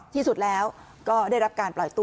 ที่สุดแล้วก็ได้รับการปล่อยตัว